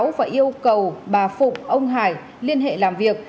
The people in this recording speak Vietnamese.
cơ quan điều tra sẽ yêu cầu bà phụng ông hải liên hệ làm việc